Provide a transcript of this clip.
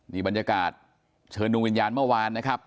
นี่บรรยากาศเชิญดวงวิญญาณเมื่อวานนะครับ